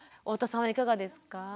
太田さんはいかがですか？